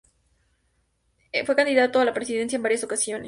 Fue candidato a la Presidencia en varias ocasiones.